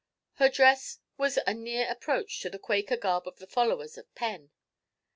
Her dress was a near approach to the Quaker garb of the followers of Penn.